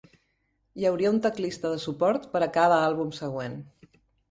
Hi hauria un teclista de suport per a cada àlbum següent.